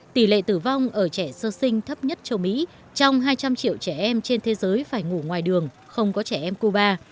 tỷ lệ tử vong ở trẻ sơ sinh thấp nhất châu mỹ trong hai trăm linh triệu trẻ em trên thế giới phải ngủ ngoài đường không có trẻ em cuba